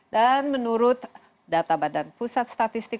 dan menurut data badan pusat statistik